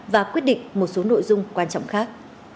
và quyết định một số nội dung quan trọng khác